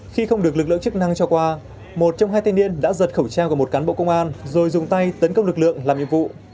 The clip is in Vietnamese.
khi không được lực lượng chức năng cho qua một trong hai thanh niên đã giật khẩu trang của một cán bộ công an rồi dùng tay tấn công lực lượng làm nhiệm vụ